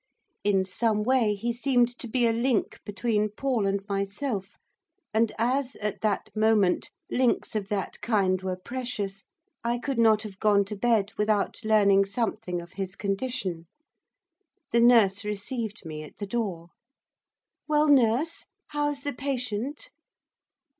In some way, he seemed to be a link between Paul and myself, and as, at that moment, links of that kind were precious, I could not have gone to bed without learning something of his condition. The nurse received me at the door. 'Well, nurse, how's the patient?